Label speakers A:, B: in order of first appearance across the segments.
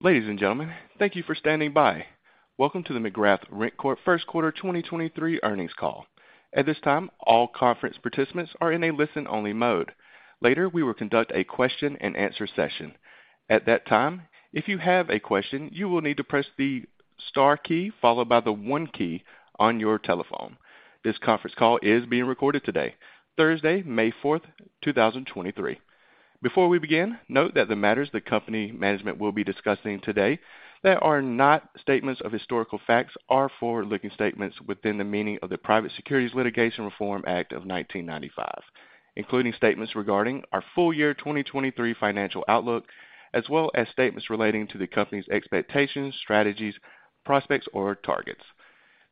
A: Ladies and gentlemen, thank you for standing by. Welcome to the McGrath RentCorp First Quarter 2023 Earnings Call. At this time, all conference participants are in a listen-only mode. Later, we will conduct a question-and-answer session. At that time, if you have a question, you will need to press the star key followed by the one key on your telephone. This conference call is being recorded today, Thursday, May 4, 2023. Before we begin, note that the matters that company management will be discussing today that are not statements of historical facts are forward-looking statements within the meaning of the Private Securities Litigation Reform Act of 1995, including statements regarding our full year 2023 financial outlook, as well as statements relating to the company's expectations, strategies, prospects, or targets.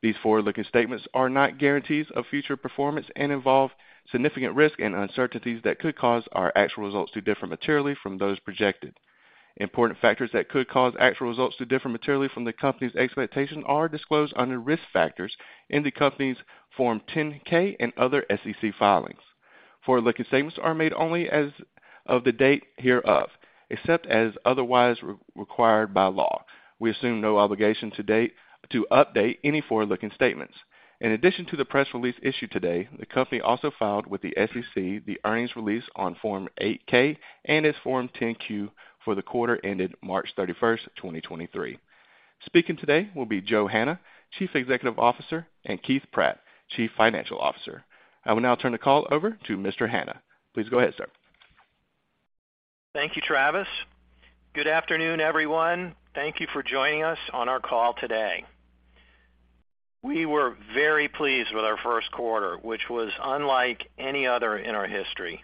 A: These forward-looking statements are not guarantees of future performance and involve significant risk and uncertainties that could cause our actual results to differ materially from those projected. Important factors that could cause actual results to differ materially from the company's expectations are disclosed under Risk Factors in the company's Form 10-K and other SEC filings. Forward-looking statements are made only as of the date hereof, except as otherwise re-required by law. We assume no obligation to update any forward-looking statements. In addition to the press release issued today, the company also filed with the SEC the earnings release on Form 8-K and its Form 10-Q for the quarter ended March 31st, 2023. Speaking today will be Joe Hanna, Chief Executive Officer, and Keith Pratt, Chief Financial Officer. I will now turn the call over to Mr. Hanna. Please go ahead, sir.
B: Thank you, Travis. Good afternoon, everyone. Thank you for joining us on our call today. We were very pleased with our first quarter, which was unlike any other in our history.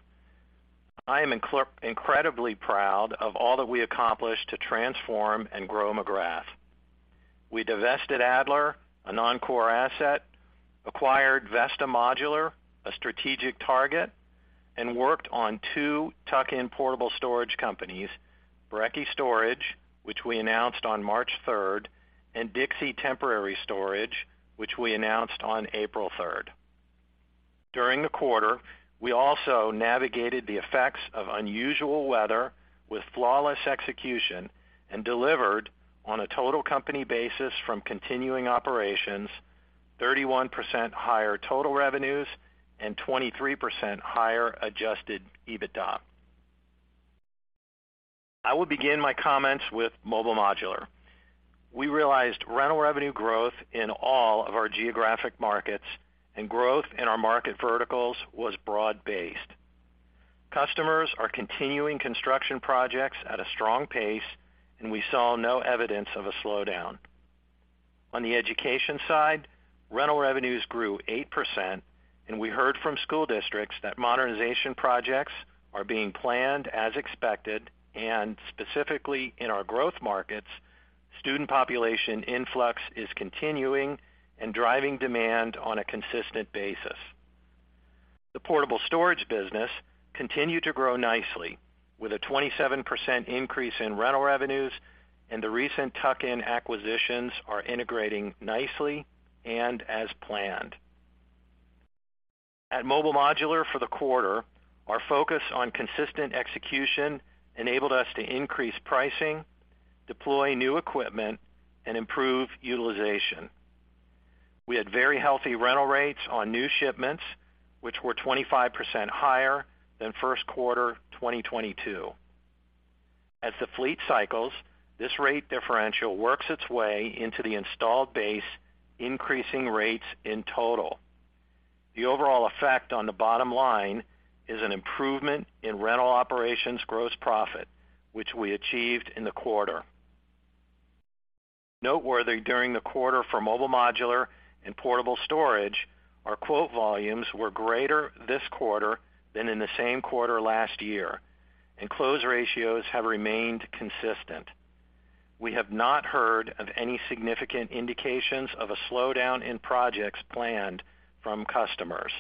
B: I am incredibly proud of all that we accomplished to transform and grow McGrath. We divested Adler, a non-core asset, acquired Vesta Modular, a strategic target, and worked on two tuck-in portable storage companies, Brekke Storage, which we announced on March third, and Dixie Temporary Storage, which we announced on April third. During the quarter, we also navigated the effects of unusual weather with flawless execution and delivered on a total company basis from continuing operations 31% higher total revenues and 23% higher Adjusted EBITDA. I will begin my comments with Mobile Modular. We realized rental revenue growth in all of our geographic markets, and growth in our market verticals was broad-based. Customers are continuing construction projects at a strong pace. We saw no evidence of a slowdown. On the education side, rental revenues grew 8%, and we heard from school districts that modernization projects are being planned as expected, and specifically in our growth markets, student population influx is continuing and driving demand on a consistent basis. The Portable Storage business continued to grow nicely with a 27% increase in rental revenues. The recent tuck-in acquisitions are integrating nicely and as planned. At Mobile Modular for the quarter, our focus on consistent execution enabled us to increase pricing, deploy new equipment, and improve utilization. We had very healthy rental rates on new shipments, which were 25% higher than first quarter 2022. As the fleet cycles, this rate differential works its way into the installed base, increasing rates in total. The overall effect on the bottom line is an improvement in rental operations gross profit, which we achieved in the quarter. Noteworthy during the quarter for Mobile Modular and Portable Storage, our quote volumes were greater this quarter than in the same quarter last year, and close ratios have remained consistent. We have not heard of any significant indications of a slowdown in projects planned from customers.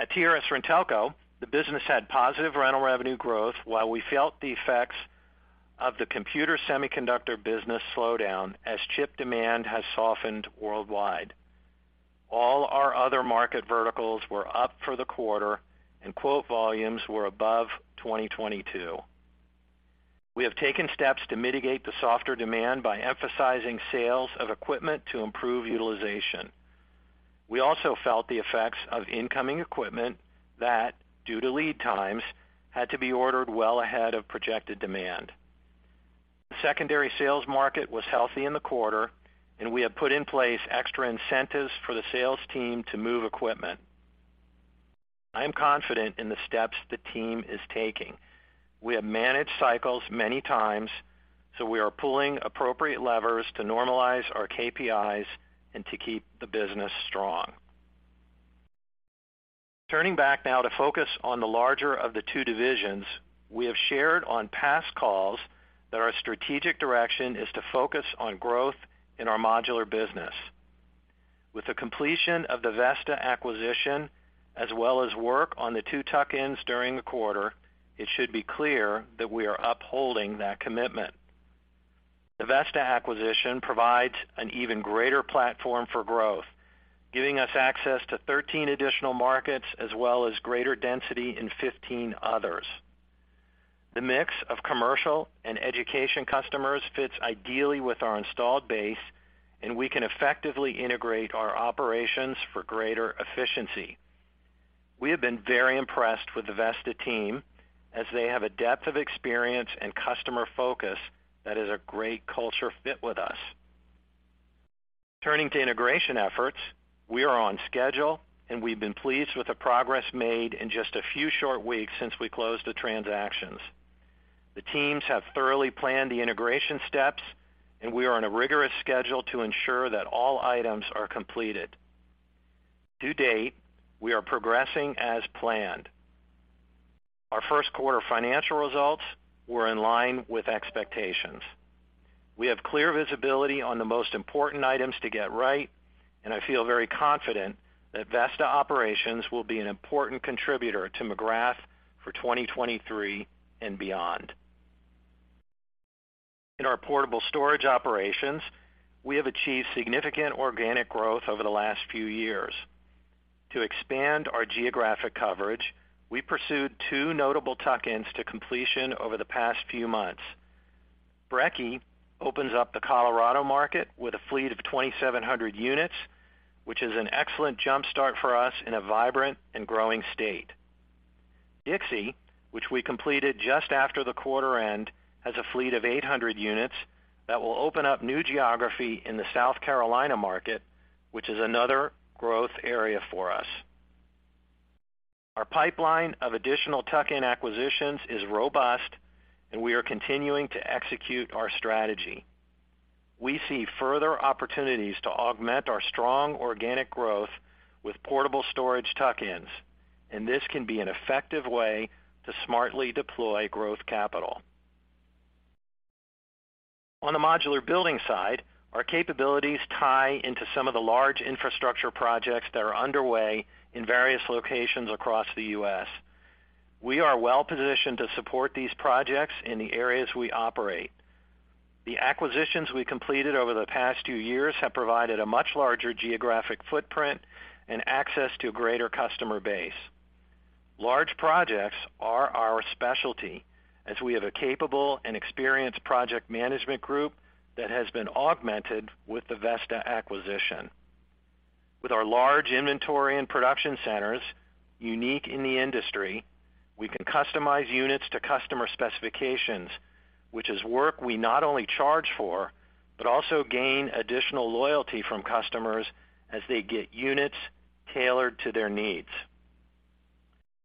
B: At TRS-RenTelco, the business had positive rental revenue growth while we felt the effects of the computer semiconductor business slowdown as chip demand has softened worldwide. All our other market verticals were up for the quarter, quote volumes were above 2022. We have taken steps to mitigate the softer demand by emphasizing sales of equipment to improve utilization. We also felt the effects of incoming equipment that, due to lead times, had to be ordered well ahead of projected demand. The secondary sales market was healthy in the quarter, and we have put in place extra incentives for the sales team to move equipment. I am confident in the steps the team is taking. We have managed cycles many times, so we are pulling appropriate levers to normalize our KPIs and to keep the business strong. Turning back now to focus on the larger of the two divisions, we have shared on past calls that our strategic direction is to focus on growth in our modular business. With the completion of the Vesta acquisition, as well as work on the two tuck-ins during the quarter, it should be clear that we are upholding that commitment. The Vesta acquisition provides an even greater platform for growth, giving us access to 13 additional markets as well as greater density in 15 others. The mix of commercial and education customers fits ideally with our installed base, and we can effectively integrate our operations for greater efficiency. We have been very impressed with the Vesta team, as they have a depth of experience and customer focus that is a great culture fit with us. Turning to integration efforts, we are on schedule, and we've been pleased with the progress made in just a few short weeks since we closed the transactions. The teams have thoroughly planned the integration steps, and we are on a rigorous schedule to ensure that all items are completed. To date, we are progressing as planned. Our first quarter financial results were in line with expectations. We have clear visibility on the most important items to get right, and I feel very confident that Vesta operations will be an important contributor to McGrath for 2023 and beyond. In our portable storage operations, we have achieved significant organic growth over the last few years. To expand our geographic coverage, we pursued two notable tuck-ins to completion over the past few months. Brekke opens up the Colorado market with a fleet of 2,700 units, which is an excellent jump-start for us in a vibrant and growing state. Dixie, which we completed just after the quarter end, has a fleet of 800 units that will open up new geography in the South Carolina market, which is another growth area for us. Our pipeline of additional tuck-in acquisitions is robust, and we are continuing to execute our strategy. We see further opportunities to augment our strong organic growth with portable storage tuck-ins, and this can be an effective way to smartly deploy growth capital. On the modular building side, our capabilities tie into some of the large infrastructure projects that are underway in various locations across the U.S. We are well positioned to support these projects in the areas we operate. The acquisitions we completed over the past two years have provided a much larger geographic footprint and access to a greater customer base. Large projects are our specialty, as we have a capable and experienced project management group that has been augmented with the Vesta acquisition. With our large inventory and production centers, unique in the industry, we can customize units to customer specifications, which is work we not only charge for, but also gain additional loyalty from customers as they get units tailored to their needs.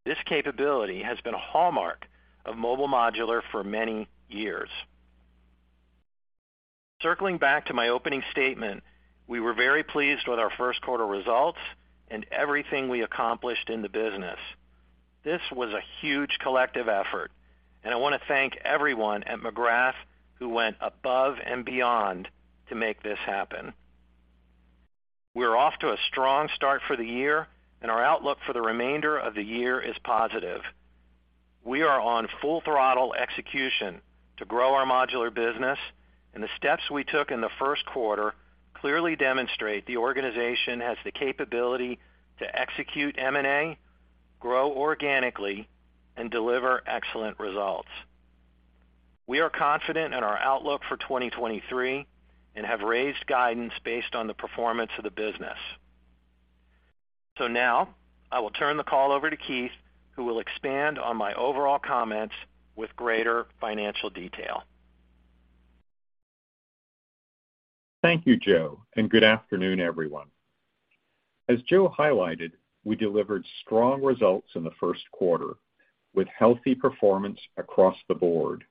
B: This capability has been a hallmark of Mobile Modular for many years. Circling back to my opening statement, we were very pleased with our first quarter results and everything we accomplished in the business. This was a huge collective effort. I want to thank everyone at McGrath who went above and beyond to make this happen. We're off to a strong start for the year. Our outlook for the remainder of the year is positive. We are on full throttle execution to grow our modular business. The steps we took in the first quarter clearly demonstrate the organization has the capability to execute M&A, grow organically, and deliver excellent results. We are confident in our outlook for 2023 and have raised guidance based on the performance of the business. Now I will turn the call over to Keith, who will expand on my overall comments with greater financial detail.
C: Thank you, Joe. Good afternoon, everyone. As Joe highlighted, we delivered strong results in the first quarter, with healthy performance across the board.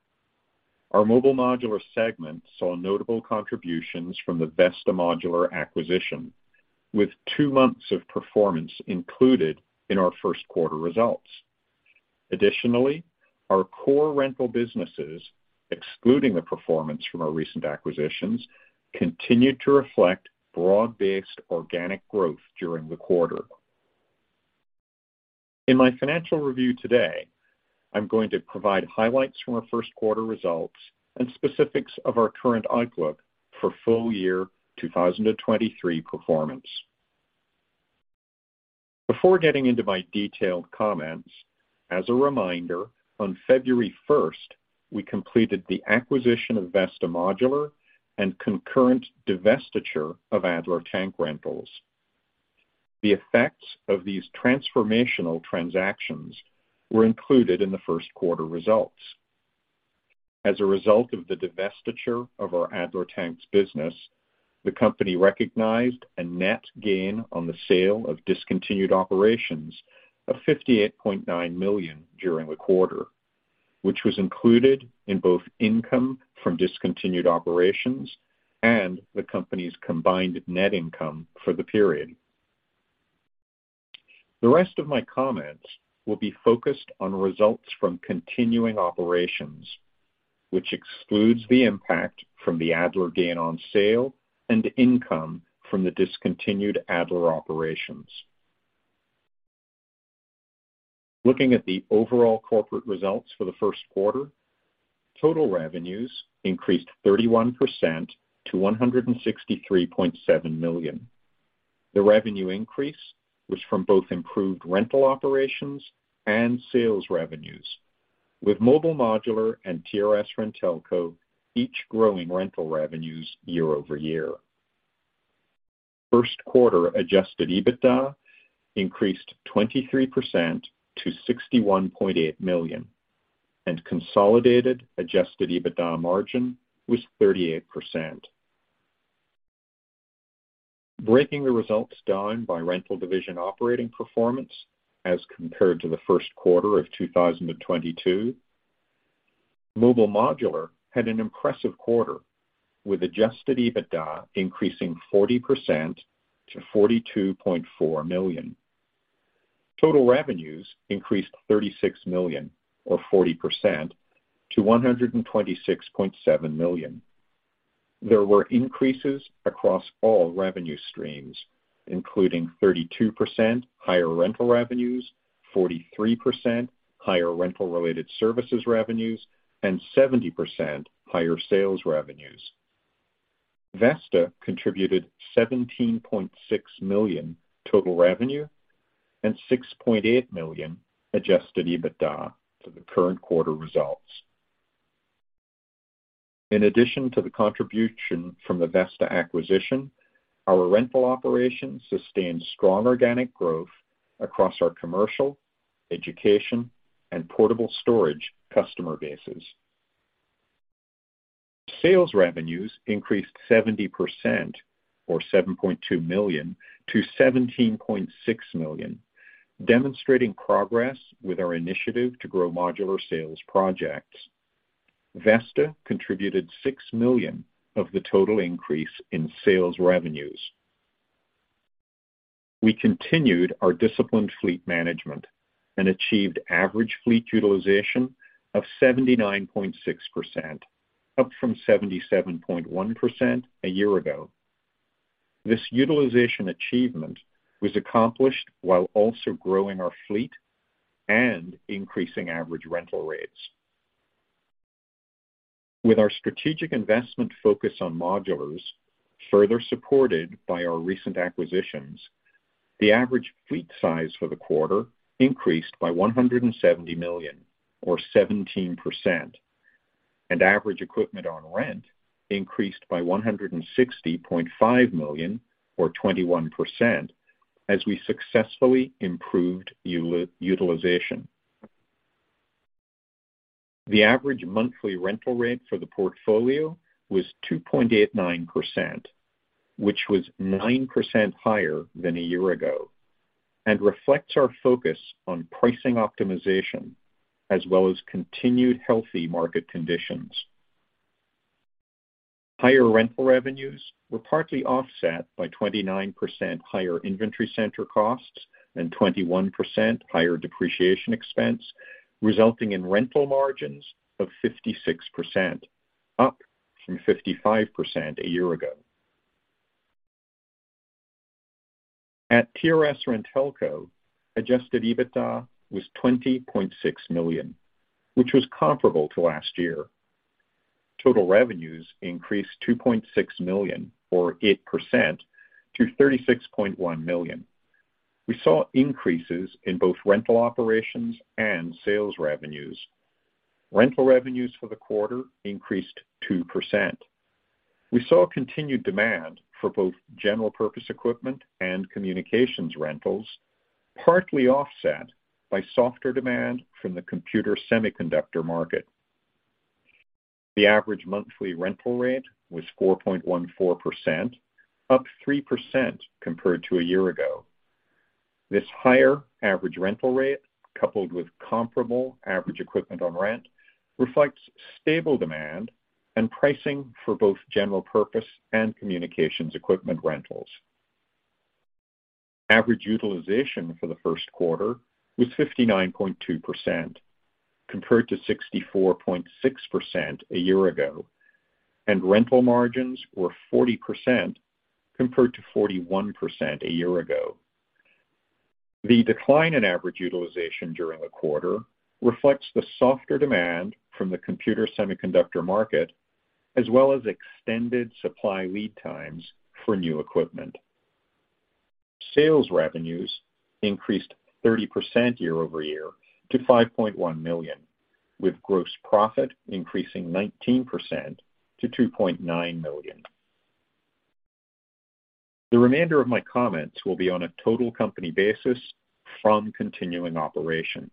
C: Our Mobile Modular segment saw notable contributions from the Vesta Modular acquisition, with two months of performance included in our first quarter results. Our core rental businesses, excluding the performance from our recent acquisitions, continued to reflect broad-based organic growth during the quarter. In my financial review today, I'm going to provide highlights from our first quarter results and specifics of our current outlook for full year 2023 performance. Before getting into my detailed comments, as a reminder, on February first, we completed the acquisition of Vesta Modular and concurrent divestiture of Adler Tank Rentals. The effects of these transformational transactions were included in the first quarter results. As a result of the divestiture of our Adler Tanks business, the company recognized a net gain on the sale of discontinued operations of $58.9 million during the quarter, which was included in both income from discontinued operations and the company's combined net income for the period. The rest of my comments will be focused on results from continuing operations, which excludes the impact from the Adler gain on sale and income from the discontinued Adler operations. Looking at the overall corporate results for the first quarter, total revenues increased 31% to $163.7 million. The revenue increase was from both improved rental operations and sales revenues, with Mobile Modular and TRS-RenTelco each growing rental revenues year-over-year. First quarter Adjusted EBITDA increased 23% to $61.8 million, and consolidated Adjusted EBITDA margin was 38%. Breaking the results down by rental division operating performance as compared to the first quarter of 2022. Mobile Modular had an impressive quarter with Adjusted EBITDA increasing 40% to $42.4 million. Total revenues increased $36 million or 40% to $126.7 million. There were increases across all revenue streams, including 32% higher rental revenues, 43% higher rental related services revenues, and 70% higher sales revenues. Vesta contributed $17.6 million total revenue and $6.8 million Adjusted EBITDA to the current quarter results. In addition to the contribution from the Vesta acquisition, our rental operations sustained strong organic growth across our commercial, education and portable storage customer bases. Sales revenues increased 70% or $7.2 million to $17.6 million, demonstrating progress with our initiative to grow modular sales projects. Vesta contributed $6 million of the total increase in sales revenues. We continued our disciplined fleet management and achieved average fleet utilization of 79.6%, up from 77.1% a year ago. This utilization achievement was accomplished while also growing our fleet and increasing average rental rates. With our strategic investment focus on modulars further supported by our recent acquisitions, the average fleet size for the quarter increased by $170 million or 17%, and average equipment on rent increased by $160.5 million, or 21% as we successfully improved utilization. The average monthly rental rate for the portfolio was 2.89%, which was 9% higher than a year ago, and reflects our focus on pricing optimization as well as continued healthy market conditions. Higher rental revenues were partly offset by 29% higher inventory center costs and 21% higher depreciation expense, resulting in rental margins of 56%, up from 55% a year ago. At TRS-RenTelco, Adjusted EBITDA was $20.6 million, which was comparable to last year. Total revenues increased $2.6 million, or 8% to $36.1 million. We saw increases in both rental operations and sales revenues. Rental revenues for the quarter increased 2%. We saw continued demand for both general purpose equipment and communications rentals, partly offset by softer demand from the computer semiconductor market. The average monthly rental rate was 4.14%, up 3% compared to a year ago. This higher average rental rate, coupled with comparable average equipment on rent, reflects stable demand and pricing for both general purpose and communications equipment rentals. Average utilization for the first quarter was 59.2%, compared to 64.6% a year ago, and rental margins were 40% compared to 41% a year ago. The decline in average utilization during the quarter reflects the softer demand from the computer semiconductor market, as well as extended supply lead times for new equipment. Sales revenues increased 30% year-over-year to $5.1 million, with gross profit increasing 19% to $2.9 million. The remainder of my comments will be on a total company basis from continuing operations.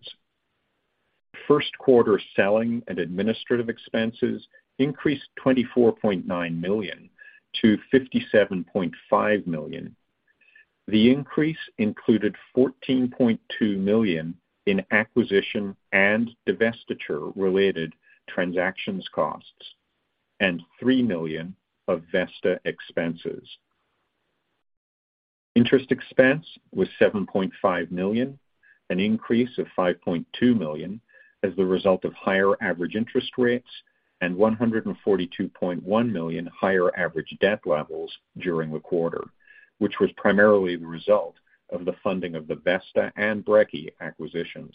C: First quarter selling and administrative expenses increased $24.9 million to $57.5 million. The increase included $14.2 million in acquisition and divestiture related transactions costs and $3 million of Vesta expenses. Interest expense was $7.5 million, an increase of $5.2 million as the result of higher average interest rates. $142.1 million higher average debt levels during the quarter, which was primarily the result of the funding of the Vesta and Brekke acquisitions.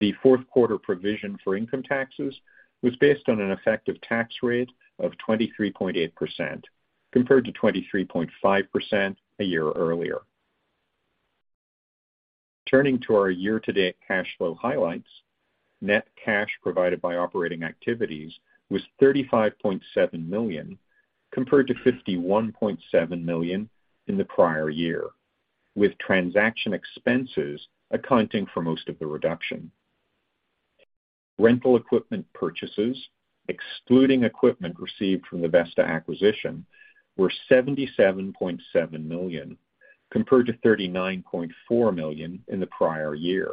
C: The fourth quarter provision for income taxes was based on an effective tax rate of 23.8%, compared to 23.5% a year earlier. Turning to our year-to-date cash flow highlights. Net cash provided by operating activities was $35.7 million, compared to $51.7 million in the prior year, with transaction expenses accounting for most of the reduction. Rental equipment purchases, excluding equipment received from the Vesta acquisition, were $77.7 million, compared to $39.4 million in the prior year.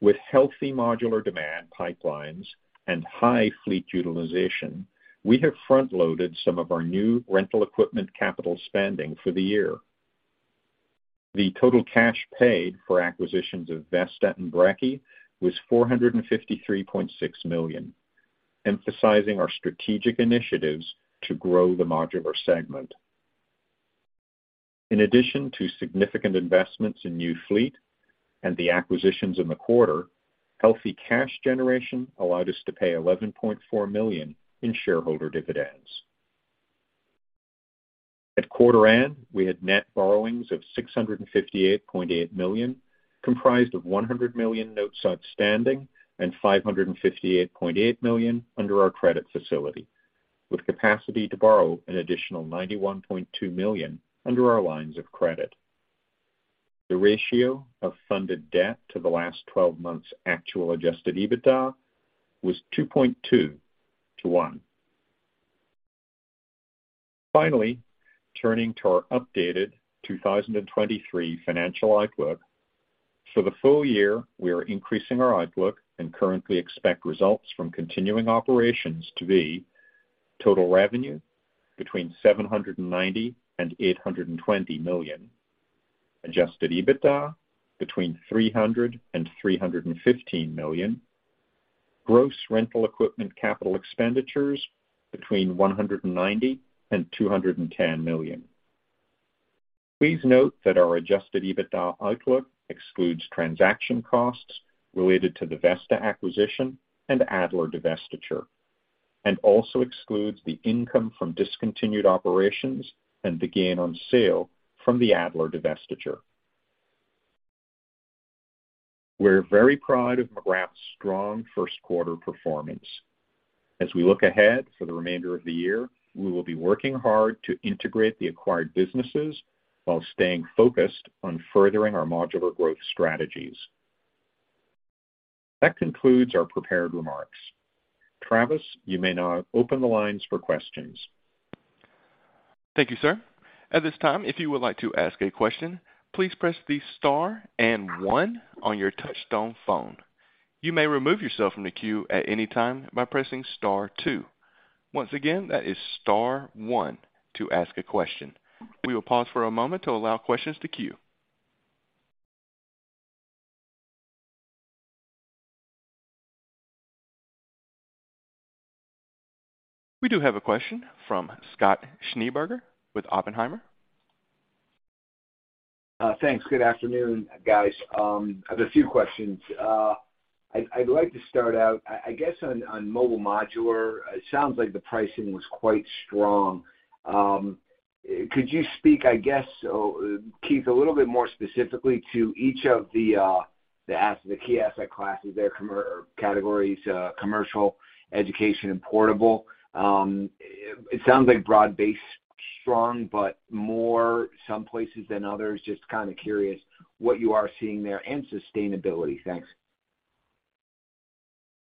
C: With healthy modular demand pipelines and high fleet utilization, we have front loaded some of our new rental equipment capital spending for the year. The total cash paid for acquisitions of Vesta and Brekke was $453.6 million, emphasizing our strategic initiatives to grow the Modular segment. In addition to significant investments in new fleet and the acquisitions in the quarter, healthy cash generation allowed us to pay $11.4 million in shareholder dividends. At quarter end, we had net borrowings of $658.8 million, comprised of $100 million notes outstanding and $558.8 million under our credit facility, with capacity to borrow an additional $91.2 million under our lines of credit. The ratio of funded debt to the last 12 months actual Adjusted EBITDA was 2.2 to 1. Finally, turning to our updated 2023 financial outlook. For the full year, we are increasing our outlook and currently expect results from continuing operations to be: total revenue between $790 million and $820 million, Adjusted EBITDA between $300 million and $315 million, gross rental equipment capital expenditures between $190 million and $210 million. Please note that our Adjusted EBITDA outlook excludes transaction costs related to the Vesta acquisition and Adler divestiture, and also excludes the income from discontinued operations and the gain on sale from the Adler divestiture. We're very proud of McGrath's strong first quarter performance. As we look ahead for the remainder of the year, we will be working hard to integrate the acquired businesses while staying focused on furthering our modular growth strategies. That concludes our prepared remarks. Travis, you may now open the lines for questions.
A: Thank you, sir. At this time, if you would like to ask a question, please press the star and one on your touch-tone phone. You may remove yourself from the queue at any time by pressing star two. Once again, that is star one to ask a question. We will pause for a moment to allow questions to queue. We do have a question from Scott Schneeberger with Oppenheimer.
D: Thanks. Good afternoon, guys. I have a few questions. I'd like to start out, I guess on Mobile Modular, it sounds like the pricing was quite strong. Could you speak, I guess, Keith, a little bit more specifically to each of the key asset classes there, or categories, commercial, education, and portable. It sounds like broad-based strong, but more some places than others. Just kind of curious what you are seeing there and sustainability. Thanks.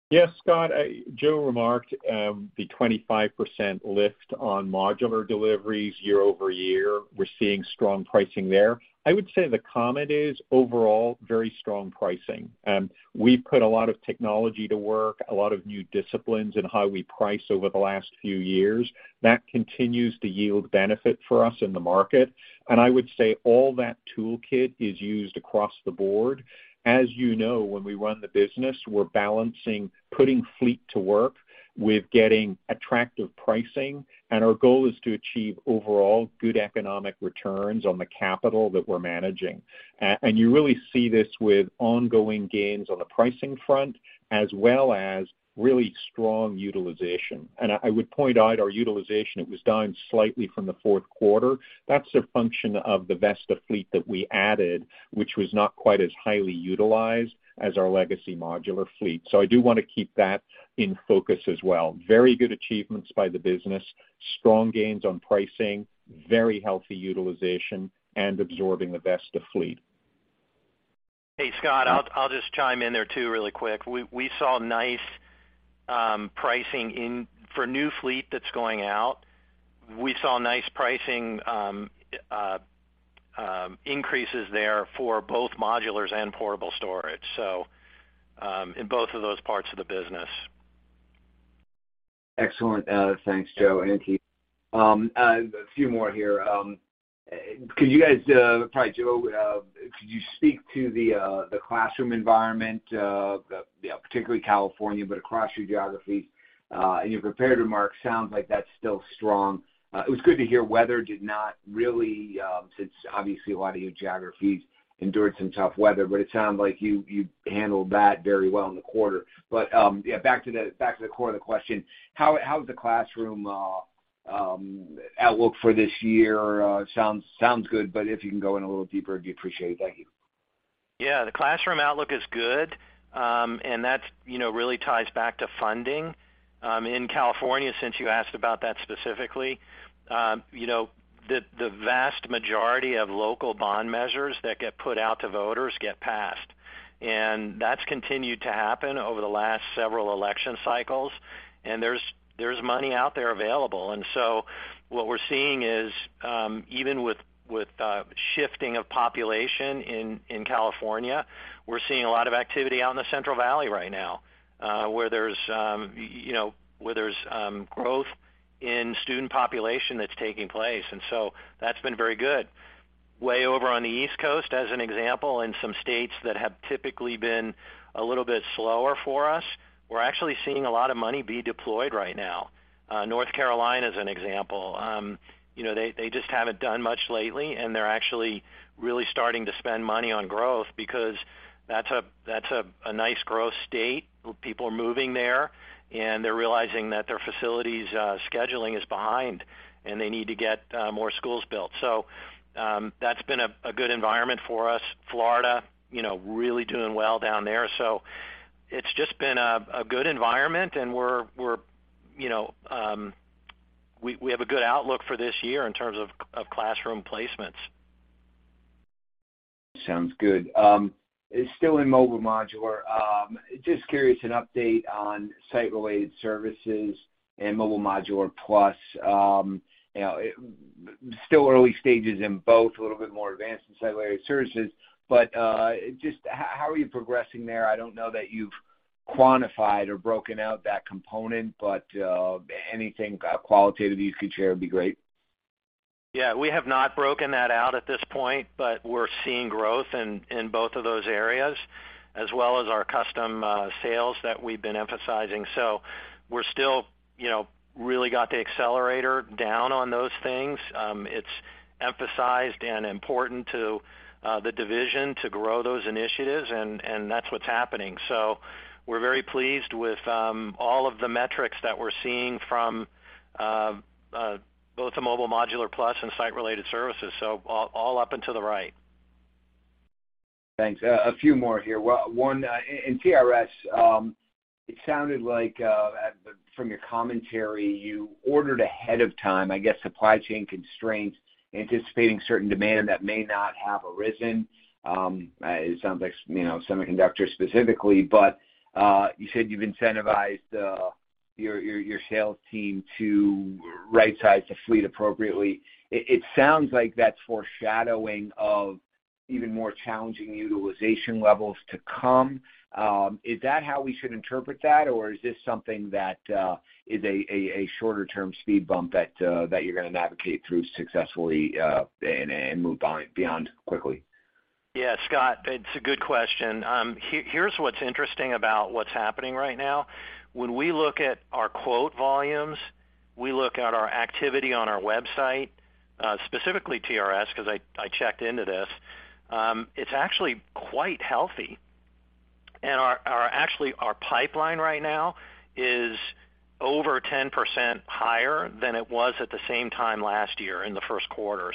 C: Yes, Scott. Joe remarked, the 25% lift on modular deliveries year-over-year. We're seeing strong pricing there. I would say the comment is overall very strong pricing. We've put a lot of technology to work, a lot of new disciplines in how we price over the last few years. That continues to yield benefit for us in the market. I would say all that toolkit is used across the board. As you know, when we run the business, we're balancing putting fleet to work with getting attractive pricing, and our goal is to achieve overall good economic returns on the capital that we're managing. You really see this with ongoing gains on the pricing front as well as really strong utilization. I would point out our utilization, it was down slightly from the fourth quarter. That's a function of the Vesta fleet that we added, which was not quite as highly utilized as our legacy modular fleet. I do want to keep that in focus as well. Very good achievements by the business, strong gains on pricing, very healthy utilization, and absorbing the Vesta fleet.
B: Hey, Scott, I'll just chime in there too really quick. We saw nice pricing in for new fleet that's going out. We saw nice pricing increases there for both modulars and portable storage in both of those parts of the business.
D: Excellent. Thanks, Joe and Keith. A few more here. Could you guys, probably Joe, could you speak to the classroom environment, the, you know, particularly California, but across your geography? In your prepared remarks, sounds like that's still strong. It was good to hear weather did not really, since obviously a lot of your geographies endured some tough weather, but it sounds like you handled that very well in the quarter. Yeah, back to the core of the question. How is the classroom outlook for this year? Sounds good, but if you can go in a little deeper, I'd appreciate it. Thank you.
B: Yeah. The classroom outlook is good. That's, you know, really ties back to funding in California since you asked about that specifically. You know, the vast majority of local bond measures that get put out to voters get passed, that's continued to happen over the last several election cycles. There's money out there available. So what we're seeing is, even with shifting of population in California, we're seeing a lot of activity out in the Central Valley right now, where there's, you know, where there's growth in student population that's taking place. So that's been very good. Way over on the East Coast, as an example, in some states that have typically been a little bit slower for us, we're actually seeing a lot of money be deployed right now. North Carolina is an example. You know, they just haven't done much lately, and they're actually really starting to spend money on growth because that's a, that's a nice growth state. People are moving there, and they're realizing that their facilities, scheduling is behind, and they need to get, more schools built. That's been a good environment for us. Florida, you know, really doing well down there. It's just been a good environment, and we're, you know, we have a good outlook for this year in terms of classroom placements.
D: Sounds good. Still in Mobile Modular, just curious an update on site-related services and Mobile Modular Plus. You know, still early stages in both, a little bit more advanced in site-related services. Just how are you progressing there? I don't know that you've quantified or broken out that component, but anything qualitative you could share would be great.
B: Yeah. We have not broken that out at this point, but we're seeing growth in both of those areas as well as our custom sales that we've been emphasizing. We're still, you know, really got the accelerator down on those things. It's emphasized and important to the division to grow those initiatives, and that's what's happening. We're very pleased with all of the metrics that we're seeing from both the Mobile Modular Plus and site-related services. All up and to the right.
D: Thanks. A few more here. One, in TRS, it sounded like from your commentary, you ordered ahead of time, I guess, supply chain constraints, anticipating certain demand that may not have arisen. It sounds like, you know, semiconductor specifically, but you said you've incentivized your sales team to right-size the fleet appropriately. It sounds like that's foreshadowing of even more challenging utilization levels to come. Is that how we should interpret that, or is this something that is a shorter-term speed bump that you're going to navigate through successfully and move beyond quickly?
B: Yeah, Scott, it's a good question. Here's what's interesting about what's happening right now. When we look at our quote volumes, we look at our activity on our website, specifically TRS, 'cause I checked into this, it's actually quite healthy. Our pipeline right now is over 10% higher than it was at the same time last year in the first quarter.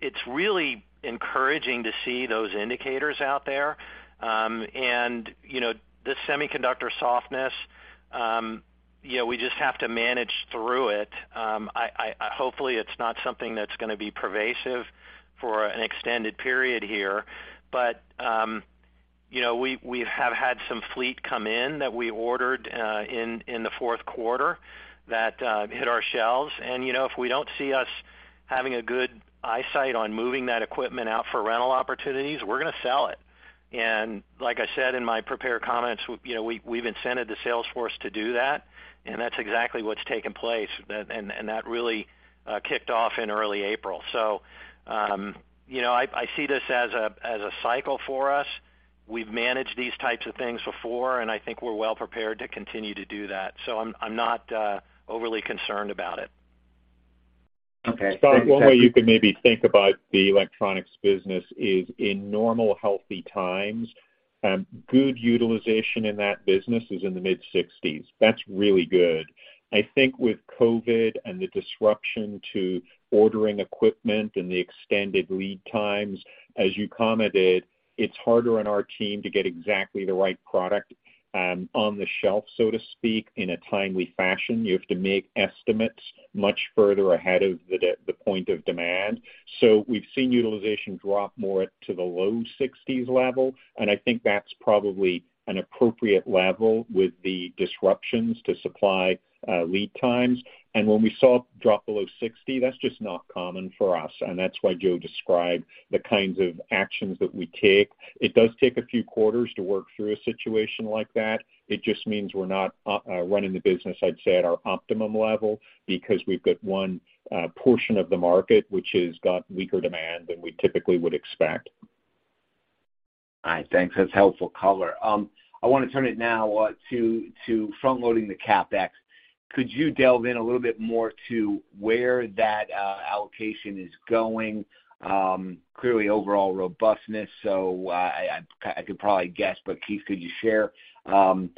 B: It's really encouraging to see those indicators out there. You know, the semiconductor softness, you know, we just have to manage through it. Hopefully, it's not something that's gonna be pervasive for an extended period here. You know, we have had some fleet come in that we ordered in the fourth quarter that hit our shelves. You know, if we don't see us having a good eyesight on moving that equipment out for rental opportunities, we're gonna sell it. Like I said in my prepared comments, you know, we've incented the sales force to do that, and that's exactly what's taken place. That really kicked off in early April. You know, I see this as a cycle for us. We've managed these types of things before, and I think we're well prepared to continue to do that. I'm not overly concerned about it.
D: Okay.
C: Scott, one way you can maybe think about the electronics business is in normal, healthy times, good utilization in that business is in the mid-60s. That's really good. I think with COVID and the disruption to ordering equipment and the extended lead times, as you commented, it's harder on our team to get exactly the right product on the shelf, so to speak, in a timely fashion. You have to make estimates much further ahead of the point of demand. We've seen utilization drop more to the low 60s level, and I think that's probably an appropriate level with the disruptions to supply lead times. When we saw it drop below 60, that's just not common for us, and that's why Joe described the kinds of actions that we take. It does take a few quarters to work through a situation like that. It just means we're not running the business, I'd say, at our optimum level because we've got one portion of the market which has got weaker demand than we typically would expect.
D: All right, thanks. That's helpful color. I wanna turn it now to front-loading the CapEx. Could you delve in a little bit more to where that allocation is going? Clearly overall robustness, so I could probably guess, but Keith, could you share the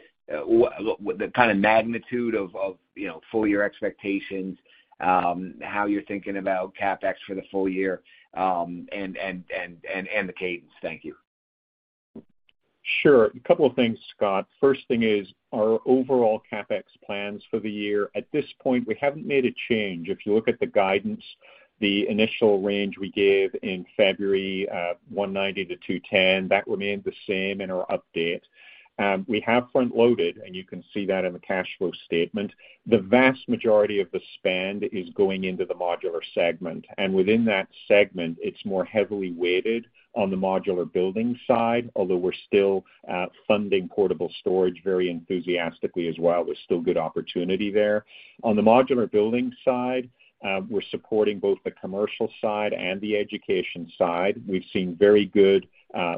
D: kind of magnitude of, you know, full year expectations, how you're thinking about CapEx for the full year, and the cadence? Thank you.
B: Sure. A couple of things, Scott. First thing is our overall CapEx plans for the year. At this point, we haven't made a change. If you look at the guidance, the initial range we gave in February, $190-$210, that remains the same in our update. We have front-loaded, and you can see that in the cash flow statement. The vast majority of the spend is going into the Modular segment, and within that segment, it's more heavily weighted on the modular building side, although we're still funding portable storage very enthusiastically as well. There's still good opportunity there. On the modular building side, we're supporting both the commercial side and the education side. We've seen very good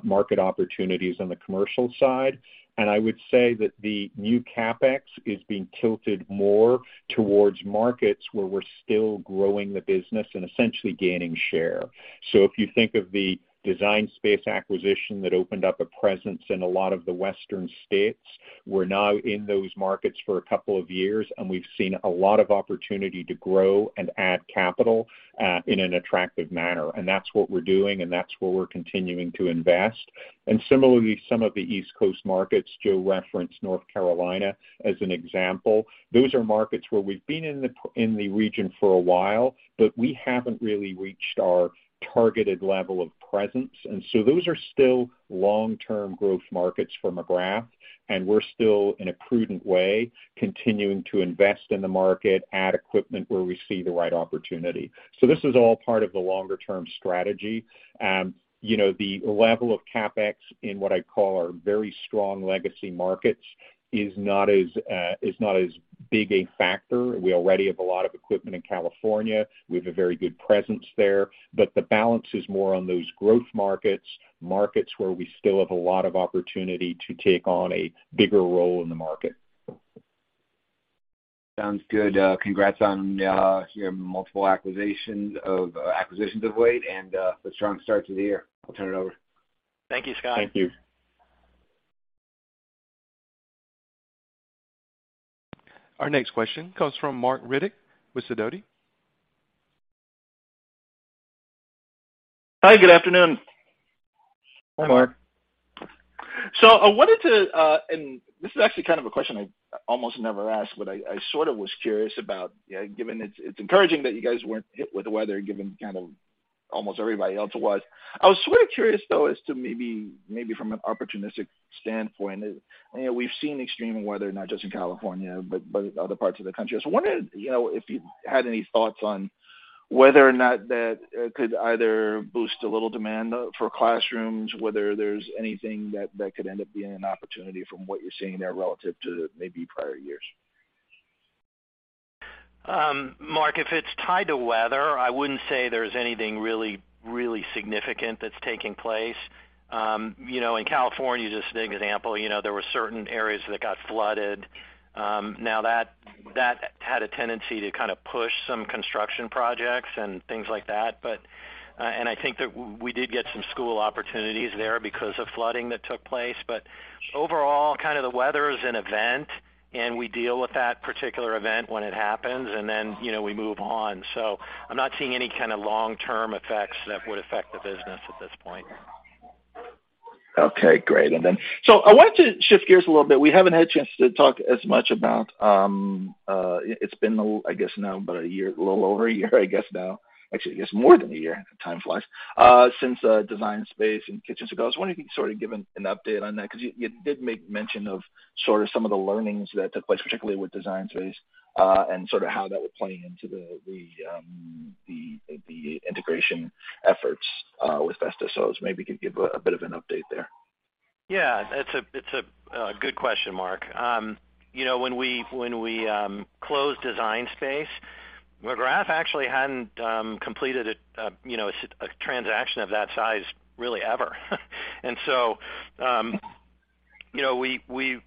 B: market opportunities on the commercial side. I would say that the new CapEx is being tilted more towards markets where we're still growing the business and essentially gaining share. If you think of the Design Space acquisition that opened up a presence in a lot of the Western states, we're now in those markets for a couple of years, and we've seen a lot of opportunity to grow and add capital in an attractive manner. That's what we're doing, and that's where we're continuing to invest. Similarly, some of the East Coast markets, Joe referenced North Carolina as an example. Those are markets where we've been in the region for a while, but we haven't really reached our targeted level of presence. Those are still long-term growth markets for McGrath, and we're still, in a prudent way, continuing to invest in the market, add equipment where we see the right opportunity. This is all part of the longer term strategy. You know, the level of CapEx in what I call our very strong legacy markets is not as big a factor. We already have a lot of equipment in California. We have a very good presence there. The balance is more on those growth markets where we still have a lot of opportunity to take on a bigger role in the market.
D: Sounds good. Congrats on your multiple acquisitions of late and the strong start to the year. I'll turn it over.
B: Thank you, Scott.
D: Thank you.
A: Our next question comes from Marc Riddick with Sidoti.
E: Hi, good afternoon.
B: Hi, Marc.
E: I wanted to, and this is actually kind of a question I almost never ask, but I sort of was curious about given it's encouraging that you guys weren't hit with the weather, given kind of almost everybody else was. I was sort of curious, though, as to maybe from an opportunistic standpoint. You know, we've seen extreme weather, not just in California, but other parts of the country. I was wondering, you know, if you had any thoughts on whether or not that could either boost a little demand for classrooms, whether there's anything that could end up being an opportunity from what you're seeing there relative to maybe prior years.
B: Marc, if it's tied to weather, I wouldn't say there's anything really significant that's taking place. You know, in California, just an example, you know, there were certain areas that got flooded. Now that had a tendency to kind of push some construction projects and things like that, and I think that we did get some school opportunities there because of flooding that took place. Overall, kind of the weather is an event, and we deal with that particular event when it happens, and then, you know, we move on. I'm not seeing any kind of long-term effects that would affect the business at this point.
E: Okay, great. I wanted to shift gears a little bit. We haven't had a chance to talk as much about, it's been, I guess now about a year, a little over a year, I guess now. Actually, I guess more than a year, time flies. Since Design Space and Kitchens To Go. I was wondering if you can sort of give an update on that because you did make mention of sort of some of the learnings that took place, particularly with Design Space, and sort of how that would play into the integration efforts, with Vesta. Maybe you could give a bit of an update there.
B: Yeah, that's a good question, Marc. You know, when we closed Design Space, McGrath actually hadn't completed a, you know, a transaction of that size really ever. You know, we, you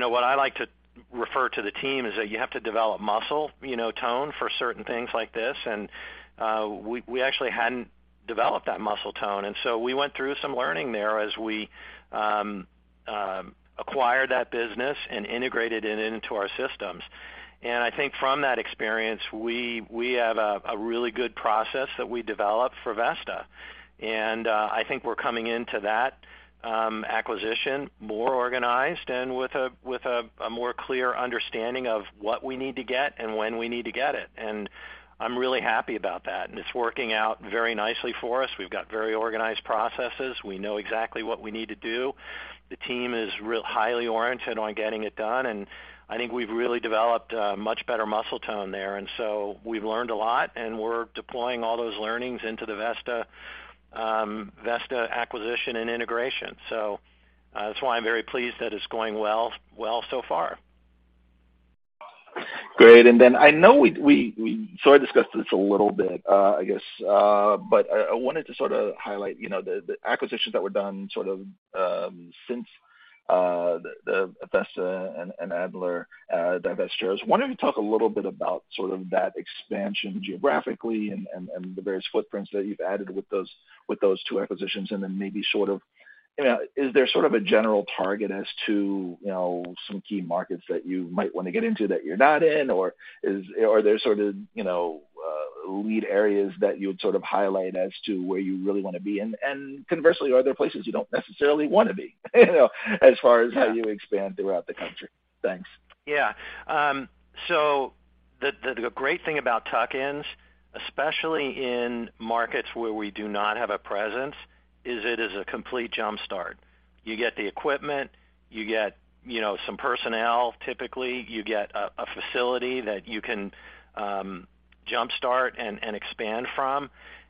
B: know what I like to refer to the team is that you have to develop muscle, you know, tone for certain things like this. We actually hadn't developed that muscle tone, and so we went through some learning there as we acquired that business and integrated it into our systems. I think from that experience, we have a really good process that we developed for Vesta. I think we're coming into that acquisition more organized and with a more clear understanding of what we need to get and when we need to get it. I'm really happy about that, and it's working out very nicely for us. We've got very organized processes. We know exactly what we need to do. The team is real highly oriented on getting it done, and I think we've really developed a much better muscle tone there. We've learned a lot, and we're deploying all those learnings into the Vesta acquisition and integration. That's why I'm very pleased that it's going well so far.
E: Great. I know we discussed this a little bit, I guess, but I wanted to sort of highlight, you know, the acquisitions that were done sort of since the Vesta and Adler divestitures. Why don't you talk a little bit about sort of that expansion geographically and the various footprints that you've added with those two acquisitions, and then maybe sort of, you know, is there sort of a general target as to, you know, some key markets that you might wanna get into that you're not in? Are there sort of, you know, lead areas that you would sort of highlight as to where you really wanna be? Conversely, are there places you don't necessarily wanna be, you know, as far as how you expand throughout the country? Thanks.
B: Yeah. The great thing about tuck-ins, especially in markets where we do not have a presence, is it is a complete jump-start. You get the equipment, you get, you know, some personnel, typically, you get a facility that you can jumpstart and expand from.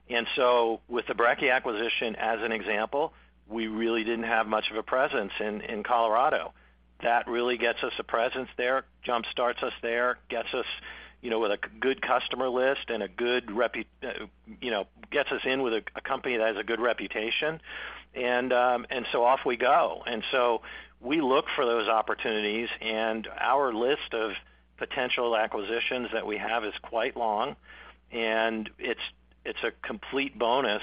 B: With the Brekke acquisition, as an example, we really didn't have much of a presence in Colorado. That really gets us a presence there, jumpstarts us there, gets us, you know, with a good customer list, gets us in with a company that has a good reputation. Off we go. We look for those opportunities, and our list of potential acquisitions that we have is quite long. It's a complete bonus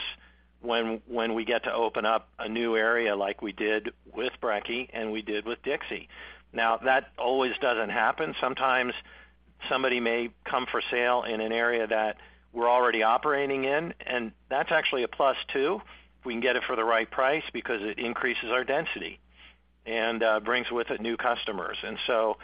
B: when we get to open up a new area like we did with Brekke and we did with Dixie. That always doesn't happen. Sometimes somebody may come for sale in an area that we're already operating in, and that's actually a plus, too, if we can get it for the right price because it increases our density and brings with it new customers. You know,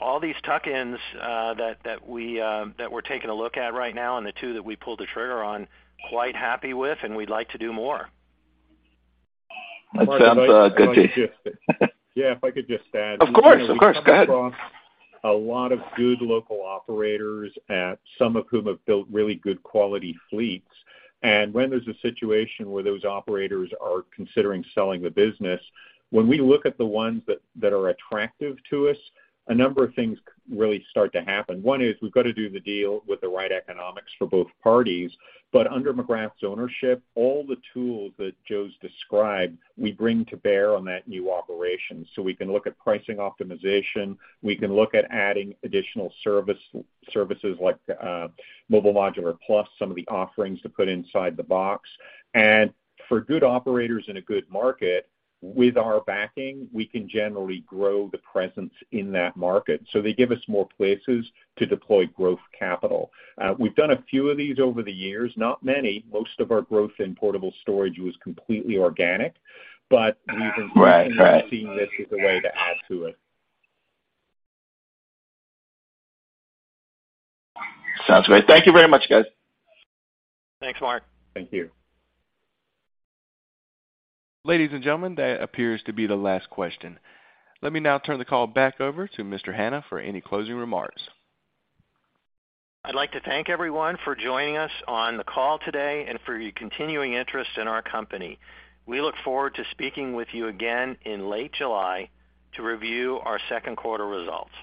B: all these tuck-ins that we're taking a look at right now and the two that we pulled the trigger on, quite happy with, and we'd like to do more.
E: That sounds good.
C: Yeah, if I could just.
E: Of course. Of course. Go ahead.
C: We come across a lot of good local operators, some of whom have built really good quality fleets. When there's a situation where those operators are considering selling the business, when we look at the ones that are attractive to us, a number of things really start to happen. One is we've got to do the deal with the right economics for both parties. Under McGrath's ownership, all the tools that Joe's described, we bring to bear on that new operation. We can look at pricing optimization, we can look at adding additional service, services like Mobile Modular Plus, some of the offerings to put inside the box. For good operators in a good market, with our backing, we can generally grow the presence in that market. They give us more places to deploy growth capital. We've done a few of these over the years, not many. Most of our growth in portable storage was completely organic.
E: Right. Right.
C: seeing this as a way to add to it.
E: Sounds great. Thank you very much, guys.
B: Thanks, Marc.
C: Thank you.
A: Ladies and gentlemen, that appears to be the last question. Let me now turn the call back over to Mr. Hanna for any closing remarks.
B: I'd like to thank everyone for joining us on the call today and for your continuing interest in our company. We look forward to speaking with you again in late July to review our second quarter results.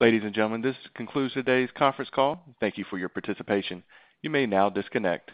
A: Ladies and gentlemen, this concludes today's conference call. Thank you for your participation. You may now disconnect.